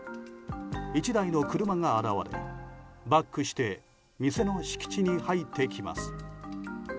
１台の車が現れ、バックして店の敷地に入ってきます。